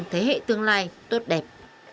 thế hệ tương lai tốt đẹp